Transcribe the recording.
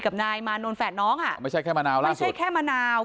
กับนายมานนท์แฝดน้องอ่ะไม่ใช่แค่มะนาวแล้วไม่ใช่แค่มะนาว